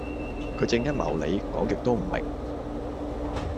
佢正一茂里，講極都唔明